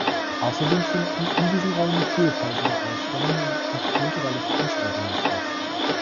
Außerdem finden in diesen Räumen vielfältige Ausstellungen und kulturelle Veranstaltungen statt.